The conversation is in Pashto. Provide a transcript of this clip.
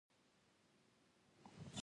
نیک کارونه هیر نه کیږي